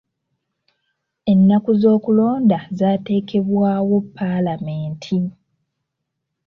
Ennaku z'okulonda zaateekebwawo paalamenti.